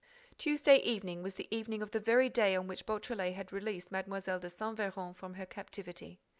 Tuesday evening was the evening of the very day on which Beautrelet had released Mlle. de Saint Véran from her captivity.